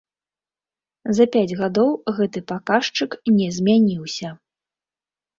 За пяць гадоў гэты паказчык не змяніўся.